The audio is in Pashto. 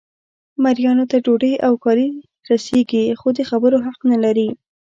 مریانو ته ډوډۍ او کالي رسیږي خو د خبرو حق نه لري.